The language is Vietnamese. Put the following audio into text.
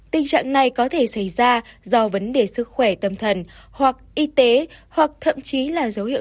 tình trạng này có thể xảy ra do vấn đề sức khỏe tâm thần hoặc y tế hoặc thậm chí là dấu hiệu